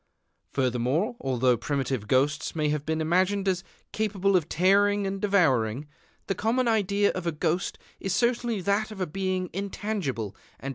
Furthermore, although primitive ghosts may have been imagined as capable of tearing and devouring, the common idea of a ghost is certainly that of a being intangible and imponderable.